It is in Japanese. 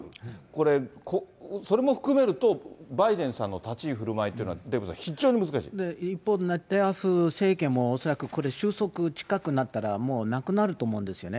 これ、それも含めると、バイデンさんの立ち居振る舞いというのは、デーブさん、非常に難一方、ネタニヤフ政権もこれ、収束近くなったらもうなくなると思うんですよね。